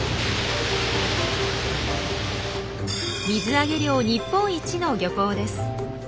水揚げ量日本一の漁港です。